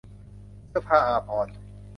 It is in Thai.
เสื้อผ้าอาภรณ์